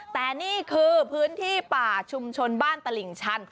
แต่นี่คือพื้นที่ป่าชุมชนบ้านตลิ่งชัน